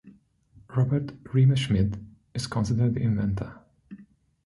Robert Riemerschmid is considered the inventor.